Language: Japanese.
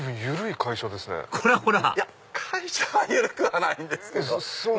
会社は緩くはないんですけど。